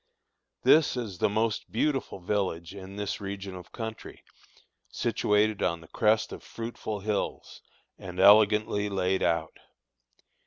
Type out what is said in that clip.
This is the most beautiful village in this region of country, situated on the crest of fruitful hills, and elegantly laid out.